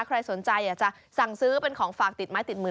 ใครสนใจอยากจะสั่งซื้อเป็นของฝากติดไม้ติดมือ